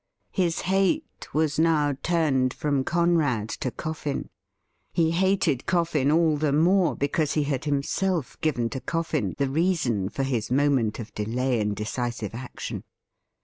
His hate was now turned from Conrad to Coffin ; he hated Coffin all the more because he had himself given to Coffin the reason for his moment of delay in decisive action.